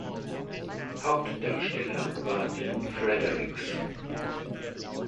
Hauptdarsteller war Dean Fredericks.